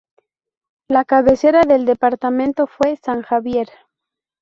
La cabecera del departamento fue San Javier.